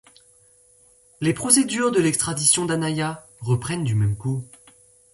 Les procédures de l'extradition d'Anaya reprennent du même coup.